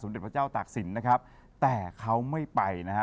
เด็จพระเจ้าตากศิลป์นะครับแต่เขาไม่ไปนะฮะ